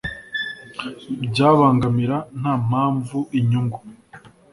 ryabangamira nta mpamvu inyungu